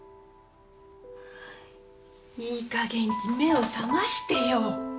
いいかげんに目を覚ましてよ。